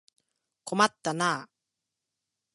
困ったなあ。